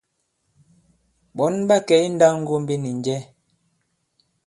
Ɓɔ̌n ɓa kɛ i nndāwŋgombi nì njɛ ?